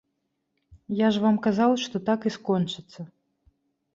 Я ж вам казаў, што так і скончыцца.